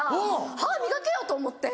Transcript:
歯磨けよと思って！